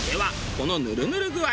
このヌルヌル具合